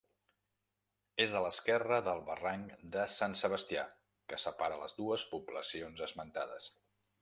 És a l'esquerra del Barranc de Sant Sebastià, que separa les dues poblacions esmentades.